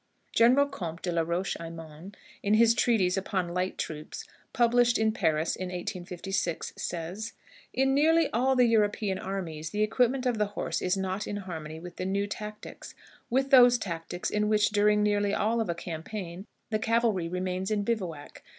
General Comte de la Roche Aymon, in his treatise upon "Light Troops," published in Paris in 1856, says: "In nearly all the European armies the equipment of the horse is not in harmony with the new tactics with those tactics in which, during nearly all of a campaign, the cavalry remains in bivouac.